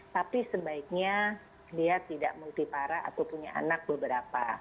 tapi sebaiknya dia tidak multi para atau punya anak beberapa